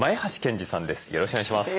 よろしくお願いします。